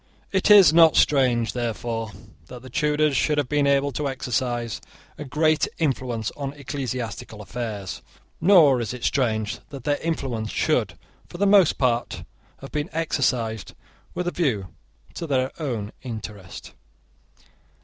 It is not strange, therefore, that the Tudors should have been able to exercise a great influence on ecclesiastical affairs; nor is it strange that their influence should, for the most part, have been exercised with a view to their own interest.